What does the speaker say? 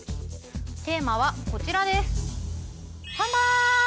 テーマはこちらです。